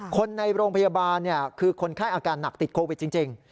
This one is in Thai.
คนในโรงพยาบาลคือคนไข้อาการหนักติดโควิดจริง